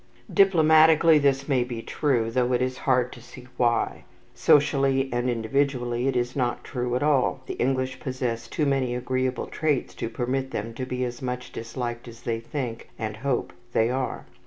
Diplomatically, this may be true, though it is hard to see why. Socially and individually, it is not true at all. The English possess too many agreeable traits to permit them to be as much disliked as they think and hope they are.